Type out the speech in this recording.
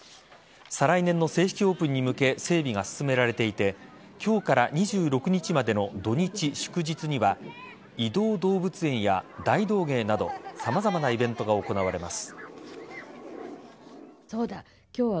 再来年の正式オープンに向け整備が進められていて今日から２６日までの土日祝日には移動動物園や大道芸など様々なイベントが行われます。